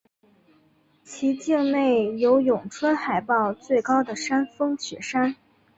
其境内有永春海报最高的山峰雪山。